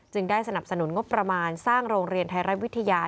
ได้สนับสนุนงบประมาณสร้างโรงเรียนไทยรัฐวิทยา